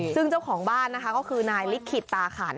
ซึ่งเจ้าของบ้านนะคะก็คือนายลิขิตตาขัน